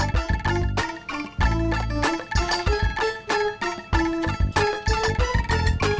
lotek satu lagi